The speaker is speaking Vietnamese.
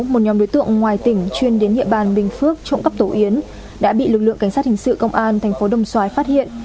một nhóm đối tượng ngoài tỉnh chuyên đến địa bàn bình phước trộm cắp tổ yến đã bị lực lượng cảnh sát hình sự công an thành phố đồng xoài phát hiện